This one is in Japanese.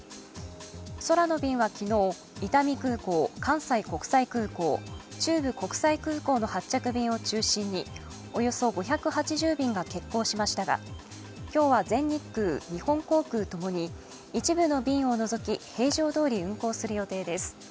空の便は昨日、伊丹空港、関西国際空港、中部国際空港の発着便を中心におよそ５８０便が欠航しましたが今日は全日空、日本航空とともに一部の便を除き、平常通り運航する予定です。